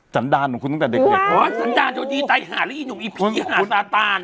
สันดาลของคุณตั้งแต่เด็กเด็กอ๋อสันดาลโทษดีไตหาแล้วอีหนุ่มอีผีหาสาตาน